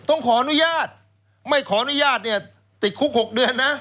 ต้องขออนุญาตไม่ขออนุญาตเนี่ยติดคุก๖เดือนนะ